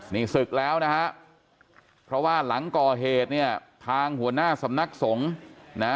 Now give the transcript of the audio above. นี่ศึกแล้วนะฮะเพราะว่าหลังก่อเหตุเนี่ยทางหัวหน้าสำนักสงฆ์นะ